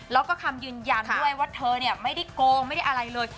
แล้วก็คำยืนยันด้วยว่าเธอไม่ได้โกงไม่ได้อะไรเลย